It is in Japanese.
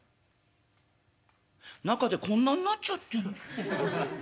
中でこんなんなっちゃってる。